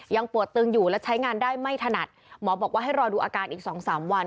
ยังปวดตึงอยู่และใช้งานได้ไม่ถนัดหมอบอกว่าให้รอดูอาการอีก๒๓วัน